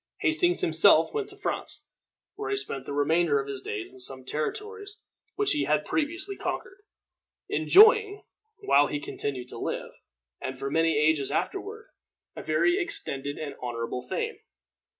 Hastings himself went to France, where he spent the remainder of his days in some territories which he had previously conquered, enjoying, while he continued to live, and for many ages afterward, a very extended and very honorable fame.